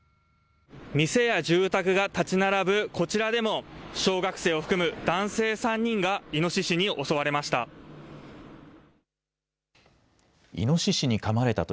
店や住宅が建ち並ぶこちらでも小学生を含む男性３人がイノシシに襲われました。